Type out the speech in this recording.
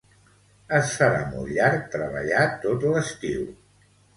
Es farà molt llarg treballar tot l'estiu